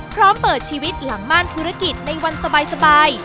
พร้อมเปิดชีวิตหลังม่านธุรกิจในวันสบาย